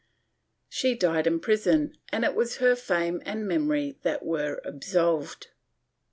She died in prison and it was her fame and memory that were absolved.